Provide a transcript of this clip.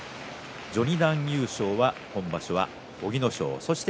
序二段優勝は今場所は小城ノ正そして、